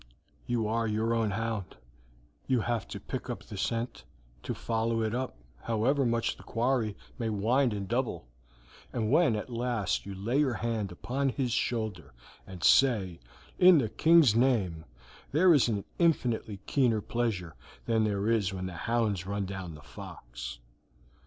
You are your own hound, you have to pick up the scent, to follow it up, however much the quarry may wind and double, and when at last you lay your hand upon his shoulder and say, 'In the King's name,' there is an infinitely keener pleasure than there is when the hounds run down the fox.